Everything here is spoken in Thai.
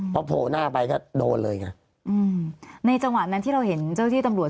พอโผล่หน้าไปก็โดนเลยไงอืมในจังหวะนั้นที่เราเห็นเจ้าที่ตำรวจ